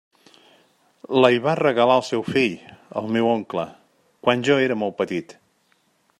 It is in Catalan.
La hi va regalar el seu fill, el meu oncle, quan jo era molt petit.